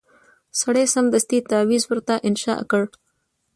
سړي سمدستي تعویذ ورته انشاء کړ